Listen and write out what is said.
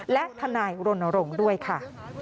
และทนายรณรงค์ด้วยค่ะ